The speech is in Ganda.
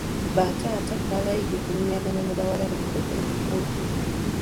Ba taata balayidde okunyumyagana ne bawala baabwe nga bakula.